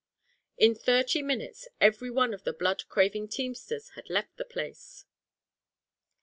In thirty minutes every one of the blood craving teamsters had left the place.